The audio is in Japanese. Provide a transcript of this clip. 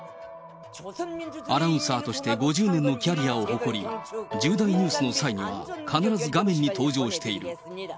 アナウンサーとして５０年のキャリアを誇り、重大ニュースの際には必ず画面に登場している。